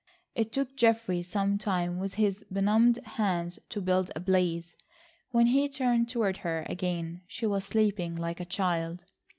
It took Geoffrey some time with his benumbed hands to build a blaze. When he turned toward her again she was sleeping like a child.